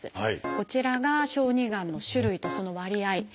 こちらが小児がんの種類とその割合です。